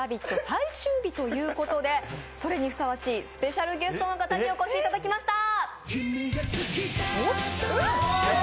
最終日問うことでそれにふさわしいスペシャルゲストの方にお越しいただきました。